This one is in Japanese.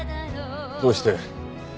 どうして？